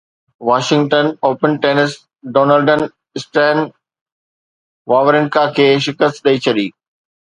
Washington open tennis ڊونلڊن Stan Wawrinka کي شڪست ڏئي ڇڏي